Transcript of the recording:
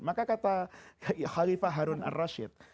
maka kata halifah harun ar rasul